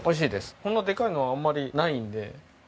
こんなでかいのはあんまりないんで。